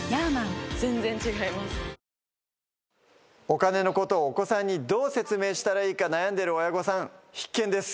お金のことをお子さんにどう説明したらいいか悩んでる親御さん必見です。